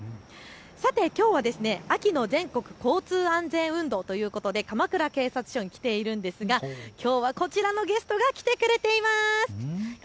さてきょうは秋の全国交通安全運動ということで鎌倉警察署に来ているんですがきょうはこちらのゲストが来てくれています。